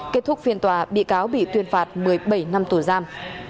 kết thúc phiên tòa bị cáo bị tuyên phạt một mươi bảy năm tù giam